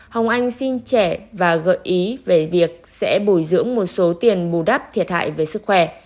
hồng anh xin trẻ và gợi ý về việc sẽ bồi dưỡng một số tiền bù đắp thiệt hại về sức khỏe